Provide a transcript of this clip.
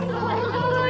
かわいい！